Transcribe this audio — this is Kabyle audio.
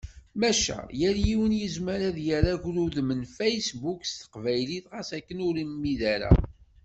Maca, yal yiwen yezmer ad d-yerr agrudem n Facebook s teqbaylit ɣas akken ur imid ara.